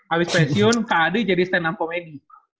abis pensiun kak adi jadi stand up comedy